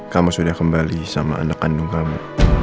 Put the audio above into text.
kamu sudah kembali sama anak kandung kamu